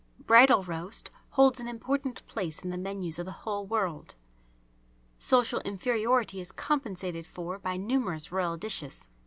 "Bridal roast" holds an important place in the menus of the whole world. Social inferiority is compensated for by numerous royal dishes